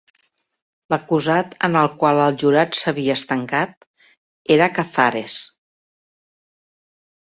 L'acusat en el qual el jurat s'havia estancat era Cazares.